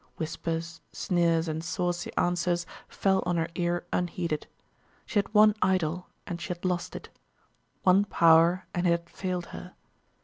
Whispers, sneers, and saucy answers fell on her ear unheeded. She had one idol, and she had lost it; one power, and it had failed her.